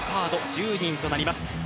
１０人となります。